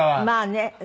まあね。